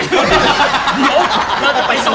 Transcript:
เดี๋ยว